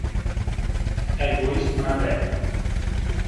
Egoîst mebe!